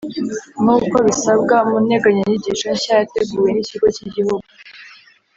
nk’uko bisabwa mu nteganyanyigisho nshya yateguwe n’Ikigo k’Igihugu